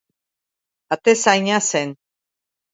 Atezaina zen.